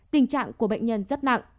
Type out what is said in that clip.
tình trạng của bệnh nhân rất nặng